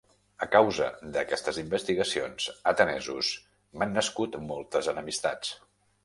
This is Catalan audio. A causa d'aquestes investigacions, atenesos, m'han nascut moltes enemistats.